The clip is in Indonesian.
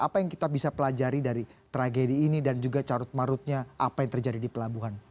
apa yang kita bisa pelajari dari tragedi ini dan juga carut marutnya apa yang terjadi di pelabuhan